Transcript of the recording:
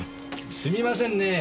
すみませんねぇ。